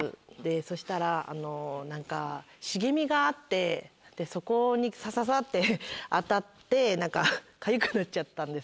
そしたら何か茂みがあってそこにサササって当たって何かかゆくなっちゃったんです。